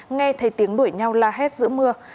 nghe thấy tiếng đuổi nhau la hét giữa mưa